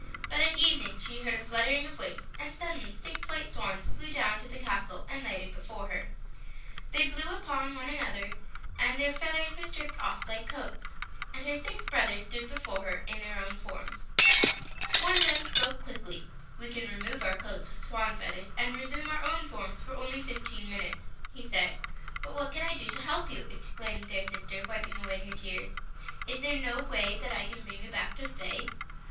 But at evening she heard a fluttering of wings, and suddenly six white swans flew down to the castle, and lighted before her. They blew upon one another, and their feathers were stripped off like coats, and her six brothers stood before her in their own forms. One of them spoke quickly. "We can remove our coats of swan's feathers and resume our own forms for only fifteen min utes," he said. " But what can I do to help you," ex claimed their sister, wiping away her tears. " Is there no way that I can bring you back to stay?